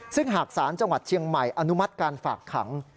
ซึ่งหากศาลจังหวัดเชียงใหม่อนุมัติการฝากขัง